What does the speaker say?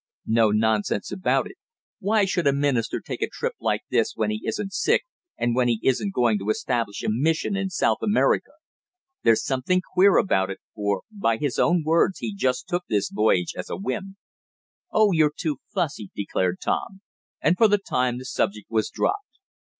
"No nonsense about it. Why should a minister take a trip like this when he isn't sick, and when he isn't going to establish a mission in South America? There's something queer about it, for, by his own words he just took this voyage as a whim." "Oh, you're too fussy," declared Tom; and for the time the subject was dropped.